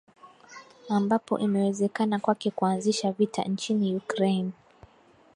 ambapo imewezekana kwake kuanzisha vita nchini Ukraine